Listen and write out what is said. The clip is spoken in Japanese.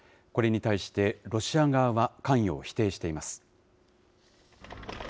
これに対して、ロシア側は関与を否定しています。